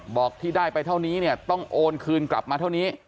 บอกที่ได้ไปเท่านี้เนี่ยต้องโอนคืนกลับมาเท่านี้